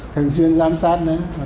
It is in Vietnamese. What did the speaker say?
thường xuyên giám sát nữa